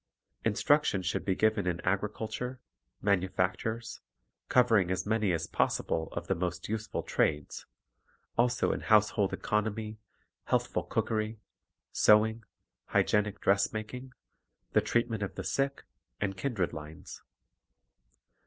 Instruction should be given in agriculture, manufactures, — covering as many as possible of the most useful trades, — also in household economy, healthful cooker)', sewing, hygienic dressmaking, the treatment of the sick, and kindred lines.